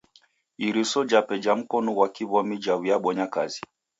Iriso jape ja mkonu ghwa kiw'omi jaw'iabonya kazi.